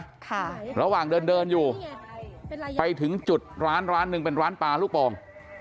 ค่ะระหว่างเดินเดินอยู่ไปถึงจุดร้านร้านหนึ่งเป็นร้านปลาลูกโป่ง